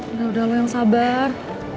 udah udah lo yang sabar